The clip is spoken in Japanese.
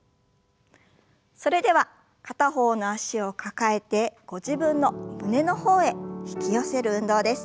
それでは片方の脚を抱えてご自分の胸の方へ引き寄せる運動です。